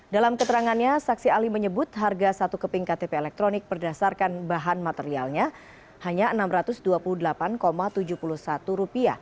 dalam keterangannya saksi ahli menyebut harga satu keping ktp elektronik berdasarkan bahan materialnya hanya rp enam ratus dua puluh delapan tujuh puluh satu